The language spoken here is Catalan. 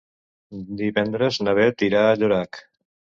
Divendres na Beth irà a Llorac.